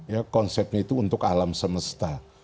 ya konsepnya itu untuk alam semesta